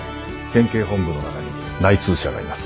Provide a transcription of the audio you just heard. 県警本部の中に内通者がいます。